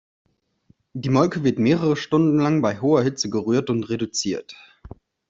Die Molke wird mehrere Stunden lang bei hoher Hitze gerührt und reduziert.